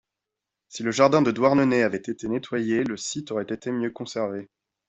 Si le jardin de Douarnenez avait été nettoyé le site aurait été mieux conservé.